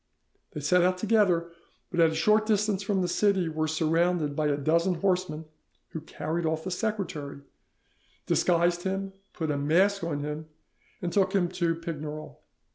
They set out together, but at a short distance from the city were surrounded by a dozen horsemen, who carried off the secretary, 'disguised him, put a mask on him, and took him to Pignerol.